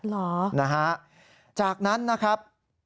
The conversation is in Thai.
เหรอนะฮะจากนั้นนะครับ